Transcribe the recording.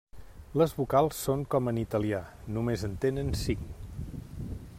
Les vocals són com en italià, només en tenen cinc.